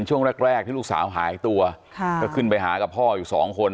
ช่วงแรกแรกที่ลูกสาวหายตัวก็ขึ้นไปหากับพ่ออยู่สองคน